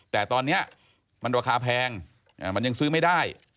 แต่ตอนนี้มันราคาแพงมันยังซื้อไม่ได้